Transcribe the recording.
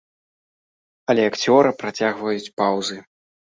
Але акцёра прыцягваюць паўзы.